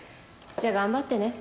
じゃあ頑張ってね。